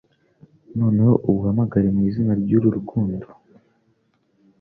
noneho ubahamagare mwizina ryuru rukundo